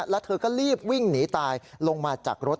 แล้วเธอก็รีบวิ่งหนีตายลงมาจากรถ